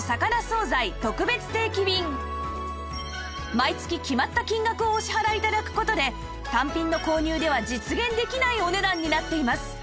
毎月決まった金額をお支払い頂く事で単品の購入では実現できないお値段になっています